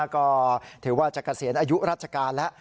ก็ถือว่าจะเกษียณอายุราชการแล้ว